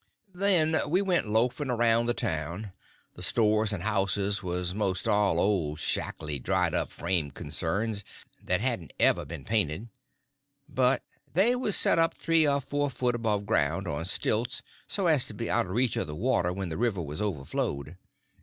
Then we went loafing around the town. The stores and houses was most all old shackly dried up frame concerns that hadn't ever been painted; they was set up three or four foot above ground on stilts, so as to be out of reach of the water when the river was overflowed.